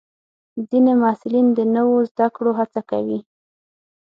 ځینې محصلین د نوو زده کړو هڅه کوي.